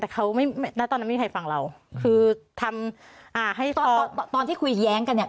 แต่เขาไม่ณตอนนั้นไม่มีใครฟังเราคือทำอ่าให้ตอนตอนที่คุยแย้งกันเนี่ย